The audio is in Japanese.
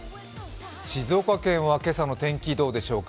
静岡県は今朝の天気、どうでしょうか。